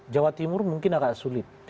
jawa timur mungkin agak sulit